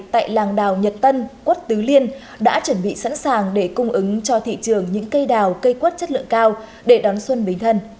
tại làng đào nhật tân quất tứ liên đã chuẩn bị sẵn sàng để cung ứng cho thị trường những cây đào cây quất chất lượng cao để đón xuân bến thân